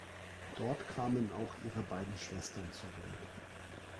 Dort kamen auch ihre beiden Schwestern zur Welt.